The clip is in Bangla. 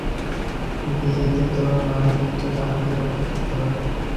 বিয়েতে তোর মান ইজ্জত আমাকেই রক্ষা করতে হবে।